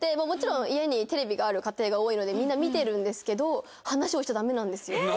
もちろん家にテレビがある家庭が多いのでみんな見てるんですけど話をしちゃダメなんですよ。